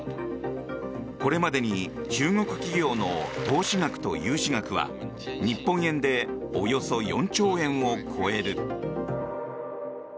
これまでに中国企業の投資額と融資額は日本円でおよそ４兆円を超える。